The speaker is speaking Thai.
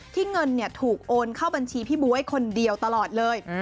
เงินถูกโอนเข้าบัญชีพี่บ๊วยคนเดียวตลอดเลย